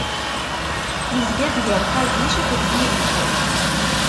izga-d gar Qadic akked Birid.